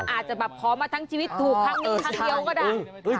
อาจจะแบบขอมาทั้งชีวิตถูกครั้งนี้ครั้งเดียวก็ได้